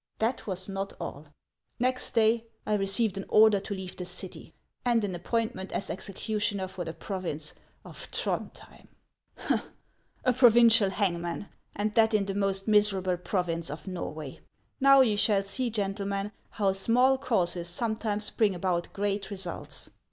That was not all. Next day I received an order to leave the city, and an ap HANS OF ICELAND. 155 pointment as executioner for the province of Throndhjeni. A provincial hangman, and that in the most miserable province of Norway ! Now you shall see, gentlemen, how small causes sometimes bring about great results.